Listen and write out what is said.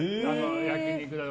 焼き肉だの。